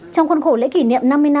trong khuôn khổ lễ kỷ niệm năm mươi năm